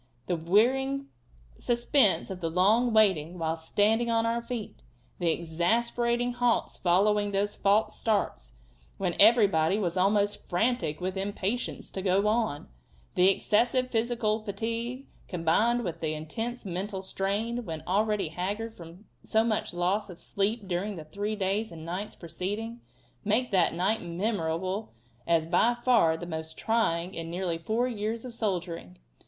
The wearing suspense of the long waiting, while standing on our feet; the exasperating halts following those false starts, when everybody was almost frantic with impatience to go on; the excessive physical fatigue, combined with the intense mental strain when already haggard from much loss of sleep during the three days and nights preceding, make that night memorable as by far the most trying in nearly four years of soldiering.